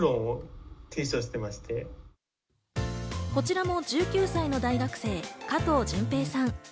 こちらは１９歳の大学生・加藤準平さん。